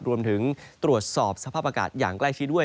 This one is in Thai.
รวมถึงตรวจสอบสภาพอากาศอย่างใกล้ชิดด้วย